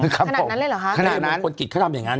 ขนาดนั้นเลยเหรอค่ะครับผมให้หมวกคนกิตเขาทำอย่างนั้น